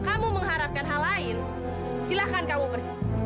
kamu mengharapkan hal lain silahkan kamu pergi